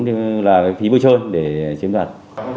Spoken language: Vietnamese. như là phí bưu trơn để chiếm đạt